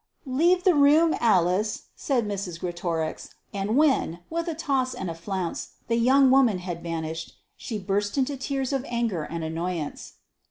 "Leave the room, Alice," said Mrs. Greatorex; and when, with a toss and a flounce, the young woman had vanished, she burst into tears of anger and annoyance.